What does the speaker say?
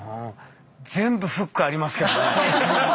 全部フックありますけどね。